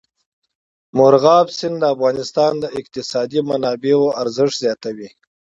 مورغاب سیند د افغانستان د اقتصادي منابعو ارزښت زیاتوي.